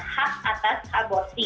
hak atas aborti